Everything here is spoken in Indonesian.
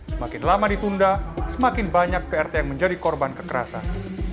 semakin lama ditunda semakin banyak prt yang menjadi korban kekerasan